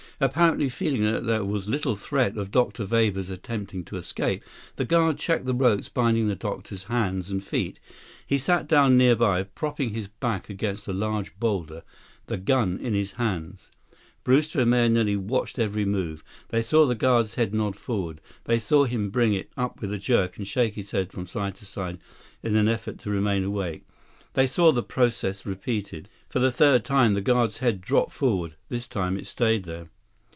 Apparently feeling that there was little threat of Dr. Weber's attempting to escape, the guard checked the ropes binding the doctor's hands and feet. He sat down nearby, propping his back against a large boulder, the gun in his hands. Brewster and Mahenili watched every move. They saw the guard's head nod forward. They saw him bring it up with a jerk and shake his head from side to side in an effort to remain awake. They saw the process repeated. For the third time, the guard's head dropped forward. This time, it stayed there.